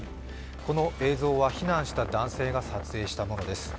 この映像は避難した男性が撮影したものです。